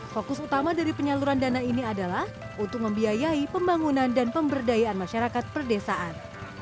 fokus utama dari penyaluran dana ini adalah untuk membiayai pembangunan dan pemberdayaan masyarakat perdesaan